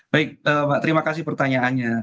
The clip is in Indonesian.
baik mbak terima kasih pertanyaannya